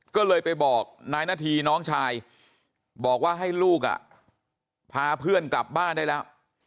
ก็เลยไปบอกนายนาธีน้องชายบอกว่าให้ลูกพาเพื่อนกลับบ้านได้แล้ว